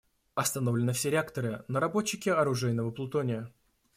Остановлены все реакторы − наработчики оружейного плутония.